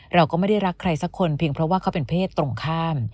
เราก็ไม่ได้รักใครสักคนเพียงเพราะว่าเขาเป็นเพศตรงข้าม